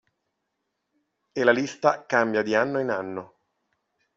E la lista cambia di anno in anno.